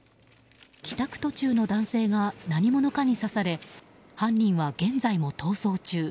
帰宅途中の男性が何者かに刺され犯人は今も逃走中。